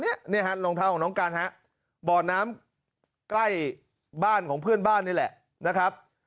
นี่ฮะรองเท้าของน้องกันฮะบ่อน้ำใกล้บ้านของเพื่อนบ้านนี่แหละนะครับ